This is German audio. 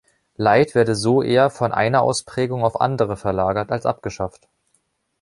Leid werde so eher von einer Ausprägung auf andere verlagert als abgeschafft.